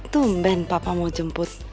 tumben papa mau jemput